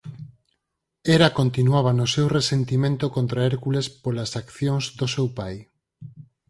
Hera continuaba no seu resentimento contra Hércules polas accións do seu pai.